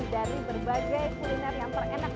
dari berbagai kuliner yang terenak di daerahnya